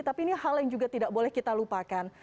tapi ini hal yang juga tidak boleh kita lupakan